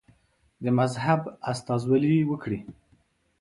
د مذهب استازولي وکړي.